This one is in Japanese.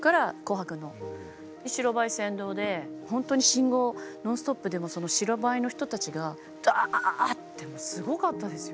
白バイ先導で本当に信号ノンストップで白バイの人たちがダッてもうすごかったですよ。